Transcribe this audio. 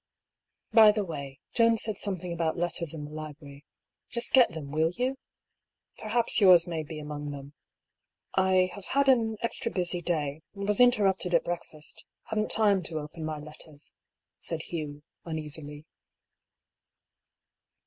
" By the way, Jones said something about letters in the library; just get them, will you? Perhaps yours may be among them. I have had an extra busy day — was interrupted at breakfast — hadn't time to open my letters," said Hugh, uneasily.